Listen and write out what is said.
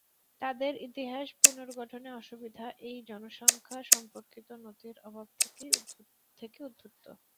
তাদের ইতিহাস পুনর্গঠনে অসুবিধা এই জনসংখ্যা সম্পর্কিত নথির অভাব থেকে উদ্ভূত।